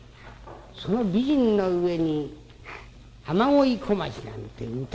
その美人な上に雨乞い小町なんて歌がうまい。